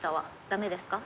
ダメですか？